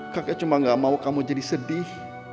kakek cuma gak mau kamu jadi sedih